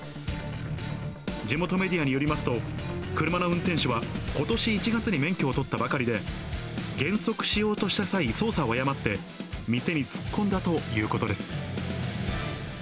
地元メディアによりますと、車の運転手はことし１月に免許を取ったばかりで、減速しようとした際、操作を誤って、店に突っ込んだということです。